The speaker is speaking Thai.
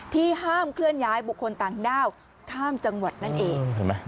ห้ามเคลื่อนย้ายบุคคลต่างด้าวข้ามจังหวัดนั่นเอง